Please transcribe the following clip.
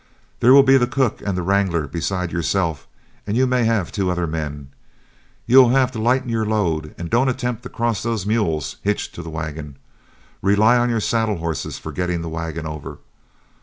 There will be the cook and wrangler besides yourself, and you may have two other men. You will have to lighten your load; and don't attempt to cross those mules hitched to the wagon; rely on your saddle horses for getting the wagon over.